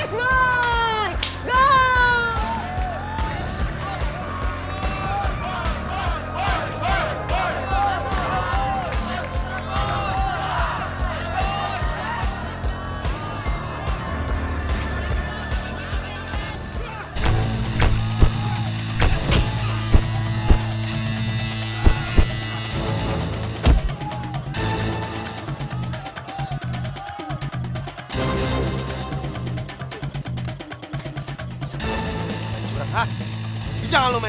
tidak ada apa apa